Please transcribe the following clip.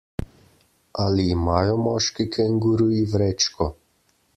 Ali imajo moški kenguruji vrečko?